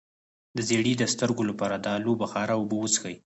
د زیړي د سترګو لپاره د الو بخارا اوبه وڅښئ